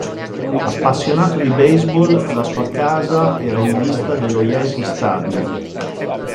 Appassionato di baseball, la sua casa era in vista dello Yankee Stadium.